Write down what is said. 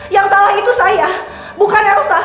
yang salah itu saya bukan elsa